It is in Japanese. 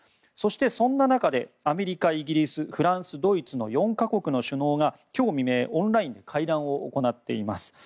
そして、そんな中でアメリカ、イギリス、フランスドイツの４か国の首脳が今日未明、オンラインで会談を行っています。